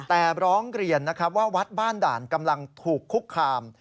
แต่ร้องเรียนนะครับว่าวัดบ้านด่านกำลังถูกคุกคาม